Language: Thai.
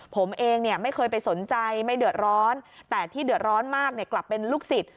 ผมเองไม่เคยไปสนใจไม่เดือดร้อนแต่ที่เดือดร้อนมากกลับเป็นลูกศิษย